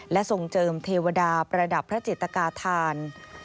และทรงเจิมเทวดาประดับพระจิตกาธาน